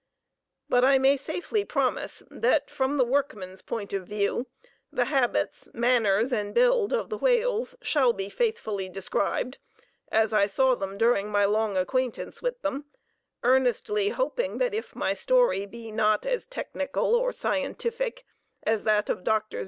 But I may safely promise that from the workman's point of view, the habits, manners, and build of the whales shall be faithfully described as I saw them during my long acquaintance with them, earnestly hoping that if my story be not as technical or scientific as that of Drs.